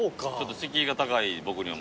敷居が高い僕には。